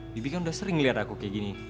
bibi kan udah sering lihat aku kayak gini